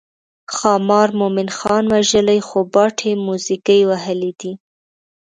ښامار مومن خان وژلی خو باټې موزیګي وهلي دي.